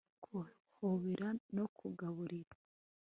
kuhobera no kugaburira